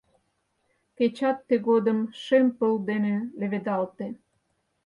Кечат тыгодым Шем пыл дене леведалте.